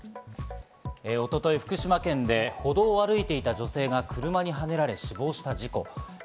一昨日、福島県で歩道を歩いていた女性が車にはねられ死亡した事故。